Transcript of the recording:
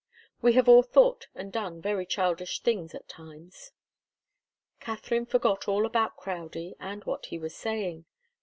We have all thought and done very childish things at times. Katharine forgot all about Crowdie and what he was saying.